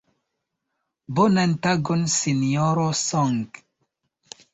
Bonan tagon Sinjoro Song.